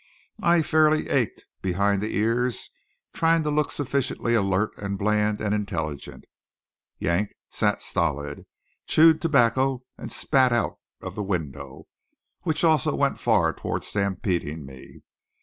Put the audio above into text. I fairly ached behind the ears trying to look sufficiently alert and bland and intelligent. Yank sat stolid, chewed tobacco and spat out of the window, which also went far toward stampeding me.